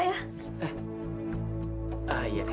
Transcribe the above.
kita berangkat sekolah dulu ya pak ya